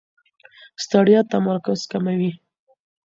ستړیا تمرکز کموي.